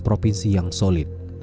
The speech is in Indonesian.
provinsi yang solid